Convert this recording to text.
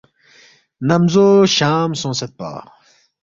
نمزو شام سونگسیدپا